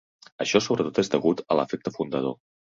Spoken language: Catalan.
Això sobretot és degut a l'efecte fundador.